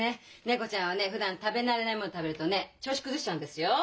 猫ちゃんはねふだん食べ慣れないもの食べるとね調子崩しちゃうんですよ。